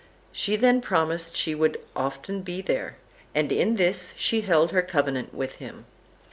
She then promised she would be often there, and in this she held her covenant with him.